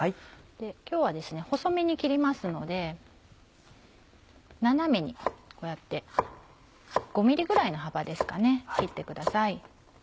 今日は細めに切りますので斜めにこうやって５ｍｍぐらいの幅ですかね切ってください。